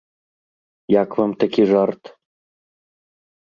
Як вам такі жарт?